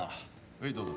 はいどうぞ。